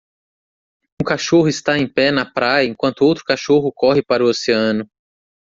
Um cachorro está em pé na praia enquanto outro cachorro corre para o oceano.